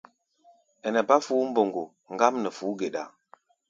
Ɛnɛ bá fuú-mboŋgo ŋgám nɛ fuú-geɗa.